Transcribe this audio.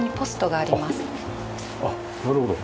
あっなるほど。